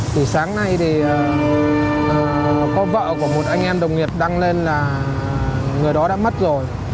từ sáng nay thì có vợ của một anh em đồng nghiệp đăng lên là người đó đã mất rồi